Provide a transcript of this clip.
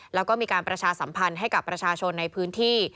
แล้วก็มีการประชาสัมพันธ์ให้กับประชาชนในพื้นที่